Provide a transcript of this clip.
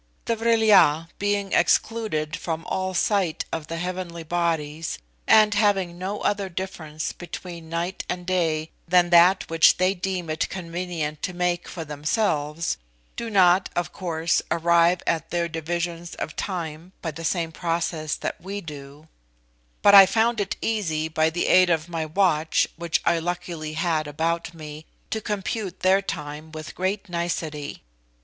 The Vril ya, being excluded from all sight of the heavenly bodies, and having no other difference between night and day than that which they deem it convenient to make for themselves, do not, of course, arrive at their divisions of time by the same process that we do; but I found it easy by the aid of my watch, which I luckily had about me, to compute their time with great nicety.